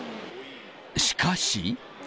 しかし。